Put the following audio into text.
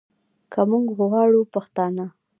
که موږ غواړو پښتانه